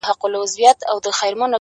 دا چا ويل چي له هيواده سره شپې نه كوم ـ